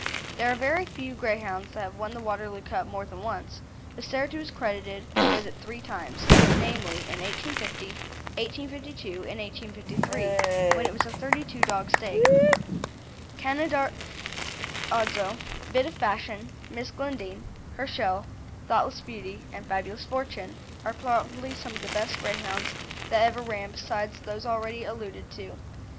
There are very few Greyhounds that have won the Waterloo Cup more than once, but Cerito was credited with it three times, namely, in 1850, 1852, and 1853, when it was a thirty two dog stake. Canaradzo, Bit of Fashion, Miss Glendine, Herschel, Thoughtless Beauty, and Fabulous Fortune, are probably some of the best Greyhounds that ever ran besides those already alluded to.